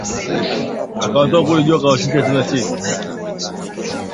mwanzilishi wa mtandao wa wikileaks julian saanj amepandishwa katika mahakama moja jijini uingereza